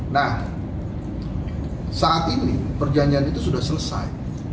nah saat ini perjanjian itu sudah selesai